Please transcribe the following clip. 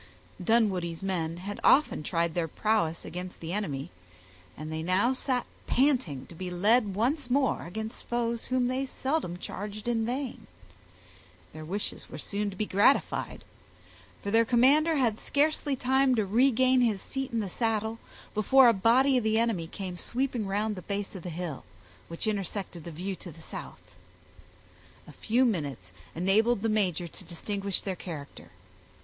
Dunwoodie's men had often tried their prowess against the enemy, and they now sat panting to be led once more against foes whom they seldom charged in vain. Their wishes were soon to be gratified; for their commander had scarcely time to regain his seat in the saddle, before a body of the enemy came sweeping round the base of the hill, which intersected the view to the south. A few minutes enabled the major to distinguish their character.